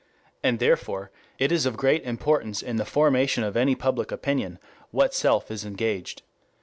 And therefore it is of great importance in the formation of any public opinion, what self is engaged.